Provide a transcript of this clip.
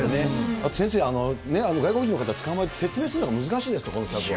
あと先生、外国人の方、つかまえて説明するのが難しいですね、この企画は。